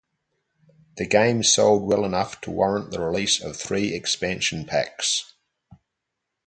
The game sold well enough to warrant the release of three expansion packs.